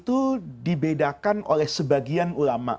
itu dibedakan oleh sebagian ulama